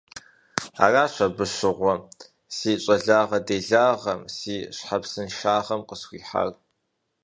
Аращ абы щыгъуэ си щӀалагъэ-делагъэм, си щхьэпсыншагъэм къысхуихьар.